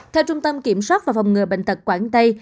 theo trung tâm kiểm soát và phòng ngừa bệnh tật quảng tây